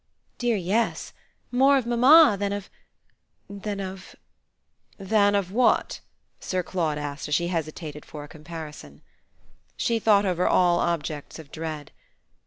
"Dear, yes; more of mamma than of than of " "Than of what?" Sir Claude asked as she hesitated for a comparison. She thought over all objects of dread.